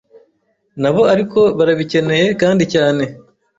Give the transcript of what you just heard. nabo ariko barabikeneye kandi cyane